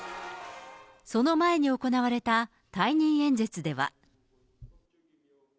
その前に行われた退任演説では。